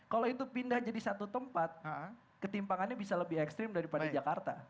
kalau itu pindah jadi satu tempat ketimpangannya bisa lebih ekstrim daripada jakarta